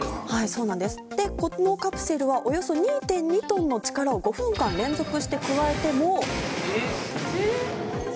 このカプセルはおよそ２．２トンの力を５分間連続して加えても。